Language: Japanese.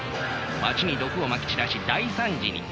街に毒をまき散らし大惨事に。